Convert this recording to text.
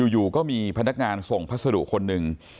อยู่ก็มีพนักงานส่งพัสดุคนหนึ่ง